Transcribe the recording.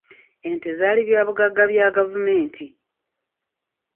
Ente zaali bya bugagga bya gavumenti.